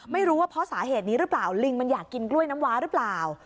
ไม่รู้ว่าเพราะสาเหตุนี้หรือเปล่าลิงมันอยากกินกล้วยน้ำว้าหรือเปล่า